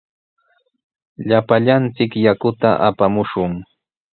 Llapallanchik yakuta apamushun.